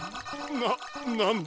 ななんだ！？